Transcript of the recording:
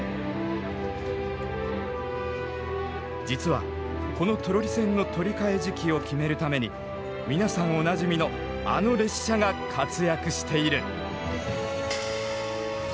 実はこのトロリ線の取り替え時期を決めるために皆さんおなじみのあの列車が活躍している。